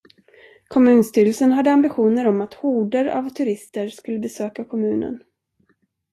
Kommunstyrelsen hade ambitioner om att horder av turister skulle besöka kommunen.